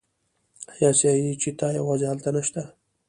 آیا اسیایي چیتا یوازې هلته نشته؟